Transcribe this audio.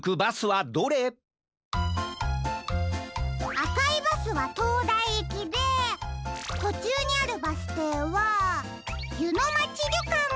あかいバスはとうだいいきでとちゅうにあるバスていはゆのまちりょかん！